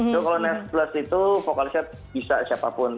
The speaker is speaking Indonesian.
cuma kalau nes plus itu vokalisnya bisa siapapun